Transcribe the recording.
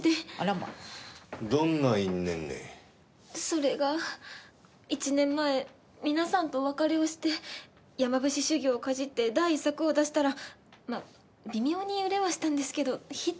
それが１年前皆さんとお別れをして山伏修行をかじって第１作を出したらまあ微妙に売れはしたんですけどヒットには至らず。